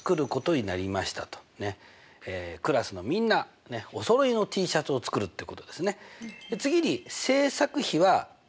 クラスのみんなおそろいのＴシャツを作るってことですね。